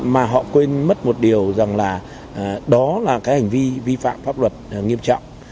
mà họ quên mất một điều rằng là đó là cái hành vi vi phạm pháp luật nghiêm trọng